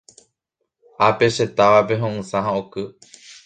Ápe che távape ho'ysã ha oky.